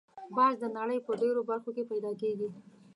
باز د نړۍ په ډېرو برخو کې پیدا کېږي